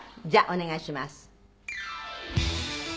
じゃあお願いします。